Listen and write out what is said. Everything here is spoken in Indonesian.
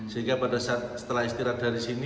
sehingga pada saat setelah istirahat dari sini